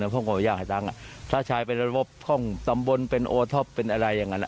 ผมก็อยากให้ตั้งถ้าชายเป็นระบบคล่องตำบลเป็นโอท็อปเป็นอะไรอย่างนั้น